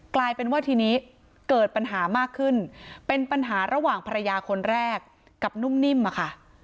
กลายเป็นว่าทีนี้เกิดปัญหามากขึ้นเป็นปัญหาระหว่างภรรยาคนแรกกับนุ่มนิ่มอะค่ะ